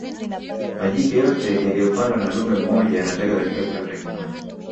majike yote yaliyopandwa na dume mmoja yanataga katika kiota kimoja